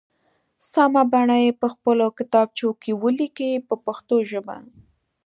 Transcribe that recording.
سمه بڼه یې په خپلو کتابچو کې ولیکئ په پښتو ژبه.